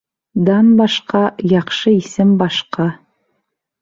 Дан башҡа, яҡшы исем башҡа.